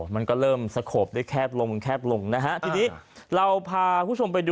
มันก็เริ่มสะโขว่ด้วยแคบลงแคบลงถึงสนิทเราพาผู้ชมไปดู